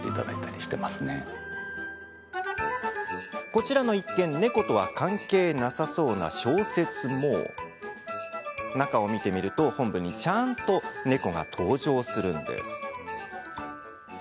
こちらの一見猫とは関係なさそうな小説も中を見てみると本文にちゃんと猫が登場するんです。